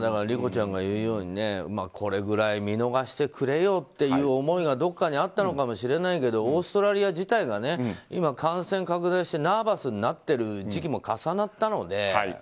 理子ちゃんが言うようにこれぐらい見逃してくれよという思いが、どこかにあったのかもしれないけどオーストラリア自体が今、感染拡大してナーバスになっている時期も重なったので。